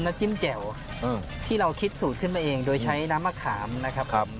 จิ้มแจ่วที่เราคิดสูตรขึ้นมาเองโดยใช้น้ำมะขามนะครับผม